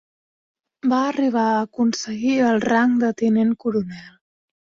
Va arribar aconseguir el rang de tinent coronel.